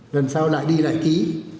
lần sau lại đi lại ký